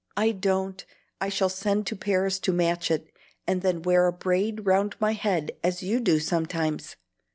"I don't! I shall send to Paris to match it, and then wear a braid round my head as you do sometimes.